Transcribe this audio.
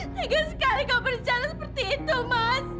tegur sekali kau berjalan seperti itu mas